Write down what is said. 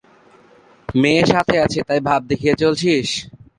মেয়ে সাথে আছে তাই ভাব দেখিয়ে চলছিস?